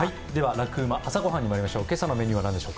「ラクうま！朝ごはん」にまいりましょう。